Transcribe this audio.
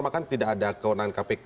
bahkan tidak ada kewenangan kpk